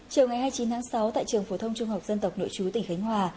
chiều ngày hai mươi chín tháng sáu tại trường phổ thông trung học dân tộc nội chú tỉnh khánh hòa